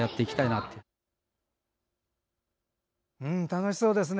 楽しそうですね。